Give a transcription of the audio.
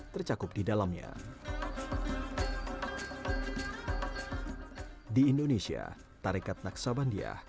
tercakup di dalamnya di indonesia tarikat naqsa b soprattutto di indonesia tarikat naqsa bandiya